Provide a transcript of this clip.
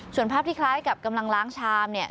ส่วนภาพที่คล้ายกับกำลังล้างชามเนี่ย